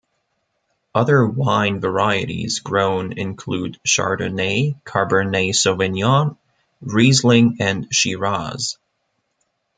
Other wine varieties grown include Chardonnay, Cabernet Sauvignon, Riesling and Shiraz.